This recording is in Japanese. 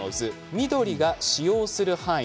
緑が使用する範囲。